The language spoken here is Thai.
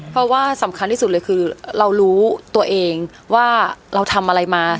เพราะว่าสำคัญที่สุดเลยคือเรารู้ตัวเองว่าเราทำอะไรมา